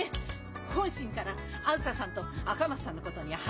本心からあづささんと赤松さんのことには反対してません。